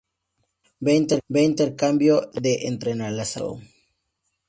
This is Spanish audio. Vea Intercambio de entrelazamiento.